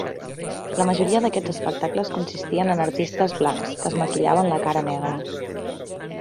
La majoria d'aquests espectacles consistien en artistes blancs que es maquillaven la cara negra.